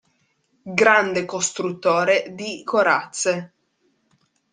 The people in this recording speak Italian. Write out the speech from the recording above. Grande costruttore di corazze.